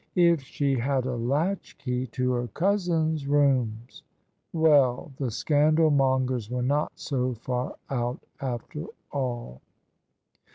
If she had a latchkey to her cousin's rooms! — Well, the scandalmongers were not so far out, after all